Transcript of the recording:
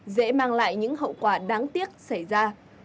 dễ mang lại những hậu quả đáng tiếc xảy ra